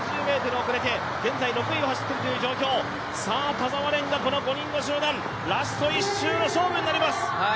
田澤廉がこの５人の集団ラスト１周の勝負になります。